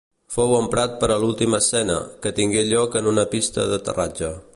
Fou emprat per a l'última escena, que tingué lloc en una pista d'aterratge.